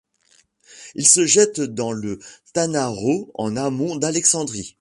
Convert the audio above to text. Il se jette dans le Tanaro en amont d'Alexandrie.